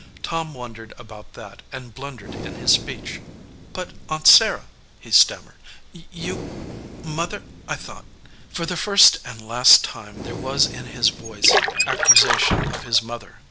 Tom wondered about that and blun dered in his speech. "But, Aunt Sarah," he stammered, "you Mother I thought " For the first and last time there was in his voice accusation of his mother.